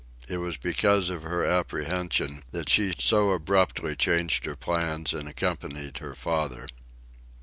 It was because of her apprehension that she so abruptly changed her plans and accompanied her father.